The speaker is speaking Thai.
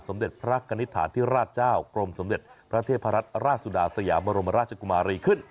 เด็จพระกณิตฐาธิราชเจ้ากรมสมเด็จพระเทพรัตนราชสุดาสยามรมราชกุมารีขึ้น